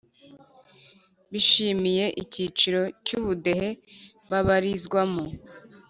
Bishimiye icyiciro cy ubudehe babarizwamo